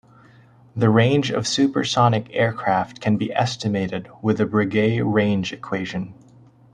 The range of supersonic aircraft can be estimated with the Breguet range equation.